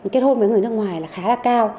kết hôn với người nước ngoài là khá là cao